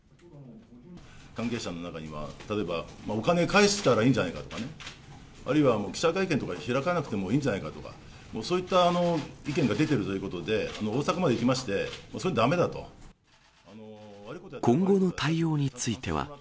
関係者の中には、例えば、お金返したらいいんじゃないかとか、あるいは記者会見とか開かなくてもいいんじゃないかとか、そういった意見が出てるということで、大阪まで行きまして、それはだめ今後の対応については。